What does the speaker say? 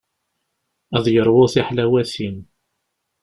Ad yeṛwu tiḥlawatin.